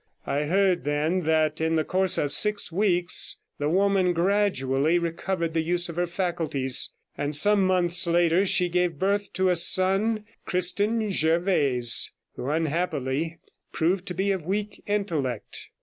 I heard then that in the course of six weeks the woman gradually recovered the use of her faculties, and some months later she gave birth to a son, christened Jervase, who unhappily proved to be of weak intellect.